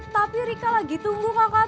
tapi rika lagi tunggu kakak